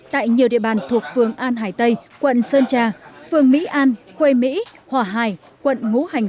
tại nhiều địa bàn thuộc phường an hải tây quận sơn trà phường mỹ an khuê mỹ hòa hải quận ngũ hành